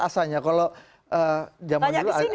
asanya kalau zaman dulu